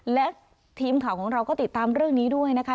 และทีมข่าวของเราก็ติดตามเรื่องนี้ด้วยนะคะ